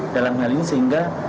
dalam hal ini sehingga